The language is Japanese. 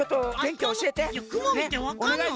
いやくもみてわかんの？